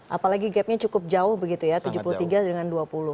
apalagi gapnya cukup jauh begitu ya tujuh puluh tiga dengan dua puluh